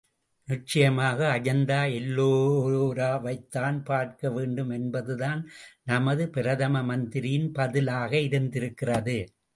நிச்சயமாக அஜந்தா எல்லோராவைத்தான் பார்க்க வேண்டும் என்பதுதான் நமது பிரதம மந்திரியின் பதிலாக இருந்திருக்கிறது.